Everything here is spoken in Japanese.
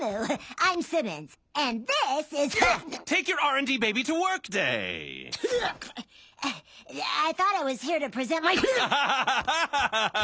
アハハハハハハ！